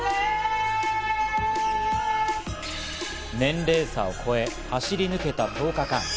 年齢差を超え走り抜けた１０日間。